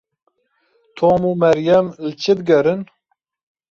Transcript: Tom û Meryem li çi digerin?